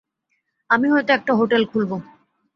আমি হয়তো একটা হোটেল খুলবো।